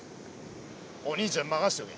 お兄ちゃんに任しとけ。